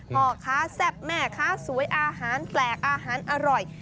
พ่อค้าแซ่บแม่ค้าสวยอาหารแปลกอาหารอร่อย